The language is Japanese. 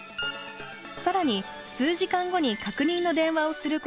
更に数時間後に確認の電話をすることを予告。